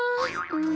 うん！